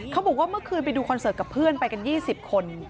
บอกว่าเมื่อคืนไปดูคอนเสิร์ตกับเพื่อนไปกัน๒๐คน